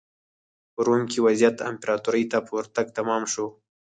په روم کې وضعیت امپراتورۍ ته په ورتګ تمام شو.